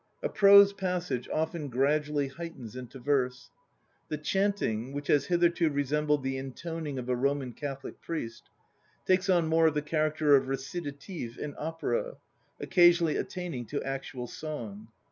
A prose passage often gradually heightens into verse. The chant which has hitherto resembled the intoning of a Roman Catholic priest, takes on more of the character of "recitative" in opera, occa sionally attaining to actual song.